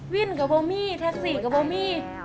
วินกับบอมมี่แท็กซี่กับบอมมี่